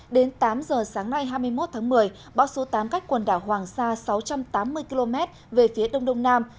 đến tám giờ sáng nay hai mươi một tháng một mươi bão số tám cách quần đảo hoàng sa sáu trăm tám mươi km về phía đông đông nam